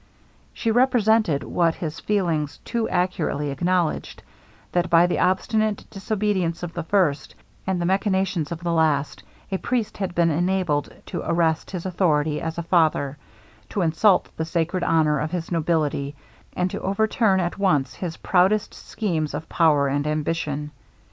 She represented, what his feelings too acutely acknowledged, that by the obstinate disobedience of the first, and the machinations of the last, a priest had been enabled to arrest his authority as a father to insult the sacred honor of his nobility and to overturn at once his proudest schemes of power and ambition.